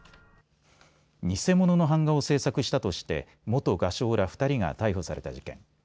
偽物の版画を制作したとして元画商ら２人が逮捕された事件。